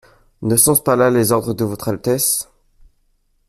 Ne sont-ce pas là les ordres de votre altesse ?